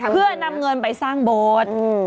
เพื่อนำเงินไปสร้างโบสถ์